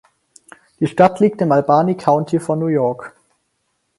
Die Stadt liegt im Albany County von New York.